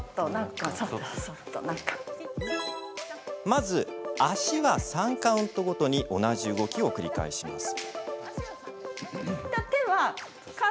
まず、足は３カウントごとに同じ動きを繰り返します。